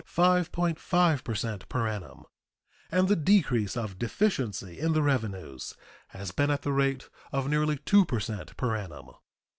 50 per cent per annum, and the decrease of deficiency in the revenues has been at the rate of nearly 2 per cent per annum.